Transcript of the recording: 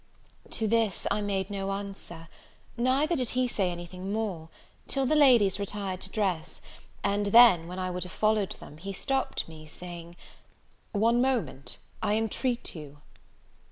To this I made no answer; neither did he say any thing more, till the ladies retired to dress: and then, when I would have followed them, he stopped me, saying, "One moment, I entreat you!"